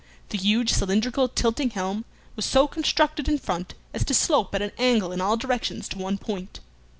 The huge cylindrical tilting helm was so constructed in front as to slope at an angle in all directions to one point.